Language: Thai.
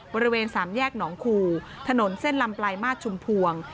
บริเวณสามแยกหนองคูถนนเส้นลำปลายมาสชุมพวง